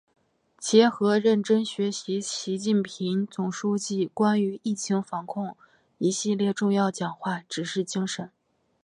结合认真学习习近平总书记关于疫情防控的一系列重要讲话、指示精神